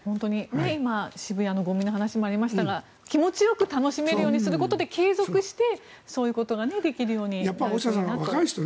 今、渋谷のゴミの話もありましたが気持ちよく楽しめるようにすることで継続してそういうことができるようになればいいなと。